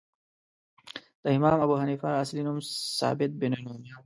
د امام ابو حنیفه اصلی نوم ثابت بن نعمان دی .